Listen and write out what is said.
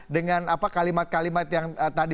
dengan kalimat kalimat yang tadi